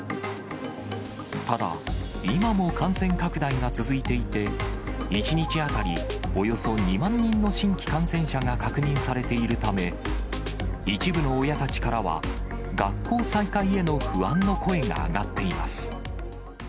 ただ、今も感染拡大が続いていて、１日当たりおよそ２万人の新規感染者が確認されているため、一部の親たちからは、学校再開への不安の声が上がっています。